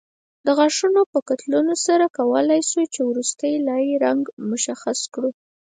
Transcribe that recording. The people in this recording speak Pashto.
د غاښونو په کتلو سره کولای شو چې وروستۍ لایې رنګ مشخص کړو